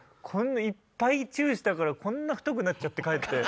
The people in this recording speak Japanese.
いっぱいチュしたからこんな太くなっちゃって帰って。